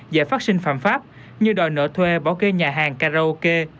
giải phát sinh phạm pháp như đòi nợ thuê bỏ kê nhà hàng karaoke